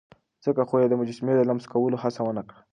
ځکه خو يې د مجسمې د لمس کولو هڅه ونه کړه.